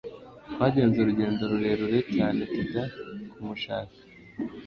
Twagenze urugendo rurerure cyane tujya kumushaka .